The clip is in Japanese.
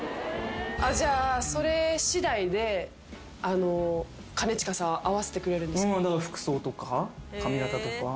じゃあそれ次第で兼近さん合わせてくれるんですか？